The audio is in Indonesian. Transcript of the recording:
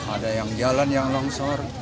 ada yang jalan yang longsor